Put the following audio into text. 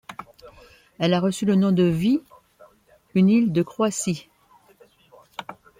Elle a reçu le nom de Vis, une île de Croatie.